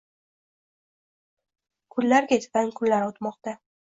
Kunlar ketidan kunlar o‘tmoqda